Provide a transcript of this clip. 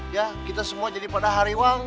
ya kita semua jadi pada hari uang